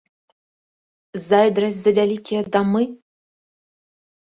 Зайздрасць за вялікія дамы?